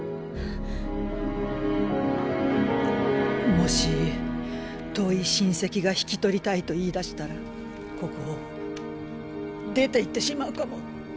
もし遠い親戚が引き取りたいと言いだしたらここを出ていってしまうかも。